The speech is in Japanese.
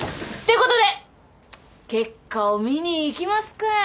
ことで結果を見に行きますか。